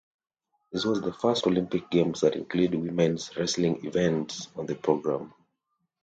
This was the first Olympic Games that included women's wrestling events on the program.